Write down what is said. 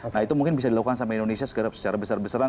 nah itu mungkin bisa dilakukan sama indonesia secara besar besaran